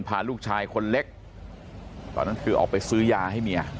พาลูกชายคนเล็กตอนนั้นคือออกไปซื้อยาให้เมีย